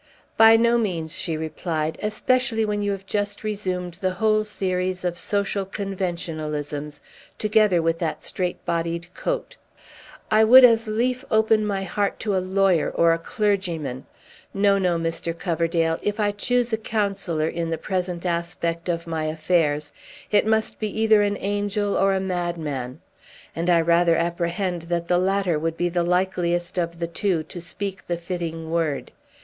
"By no means," she replied, "especially when you have just resumed the whole series of social conventionalisms, together with that strait bodied coat. I would as lief open my heart to a lawyer or a clergyman! No, no, Mr. Coverdale; if I choose a counsellor, in the present aspect of my affairs, it must be either an angel or a madman; and I rather apprehend that the latter would be likeliest of the two to speak the fitting word.